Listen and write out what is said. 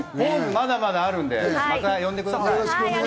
まだまだあるんで、また呼んでください。